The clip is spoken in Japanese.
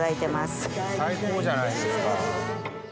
最高じゃないですか。